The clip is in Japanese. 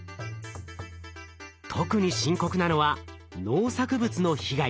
特に深刻なのは農作物の被害。